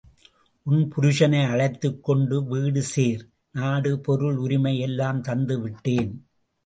உன் புருஷனை அழைத்துக் கொண்டு வீடு சேர் நாடு பொருள் உரிமை எல்லாம் தந்து விட்டேன்.